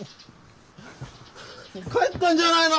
帰ったんじゃないの？